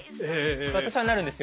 私はなるんですよ。